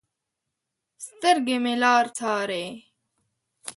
سترګې مې لار څارې